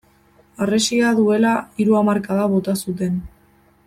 Harresia duela hiru hamarkada bota zuten.